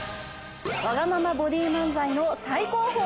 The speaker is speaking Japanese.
わがままボディ漫才の最高峰！